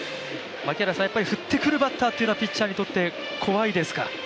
やっぱり振ってくるバッターというのはピッチャーにとって怖いですか。